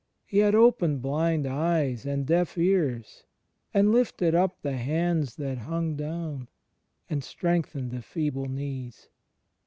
He had opened blind eyes and deaf ears; and lifted up the hands that hung down, and strengthened the feeble knees.